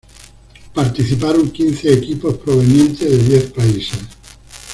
Participaron quince equipos provenientes de diez países.